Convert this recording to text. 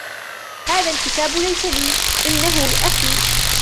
هذا الكتاب ليس لي ، إنه لأخي.